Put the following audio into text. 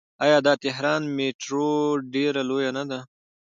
آیا د تهران میټرو ډیره لویه نه ده؟